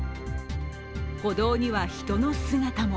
歩道には人の姿も。